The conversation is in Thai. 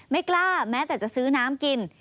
ไม่กล้าแม้แต่จะซื้อน้ำกิน